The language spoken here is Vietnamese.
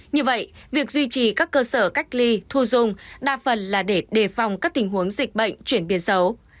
như vậy việc duy trì các cơ sở cách ly thu dung đa phần là để đề phòng các tình huống dịch bệnh chuyển biến xấu